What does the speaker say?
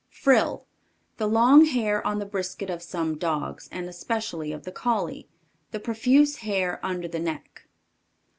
Frill. The long hair on the brisket of some dogs, and especially of the Collie. The profuse hair under the neck.